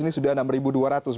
ini sudah enam ribu dua ratus